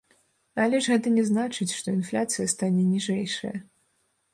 Але ж гэта не значыць, што інфляцыя стане ніжэйшая.